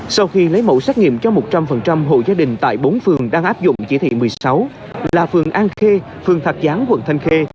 sau khi lấy mẫu xét nghiệm cho một trăm linh hộ gia đình tại bốn phường đang áp dụng chỉ thị một mươi sáu là phường an khê phường thạc gián quận thanh khê